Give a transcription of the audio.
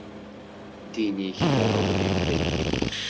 Ddin-ik d aɣbel i tlelli.